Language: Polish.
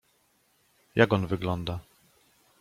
Jak on wygląda!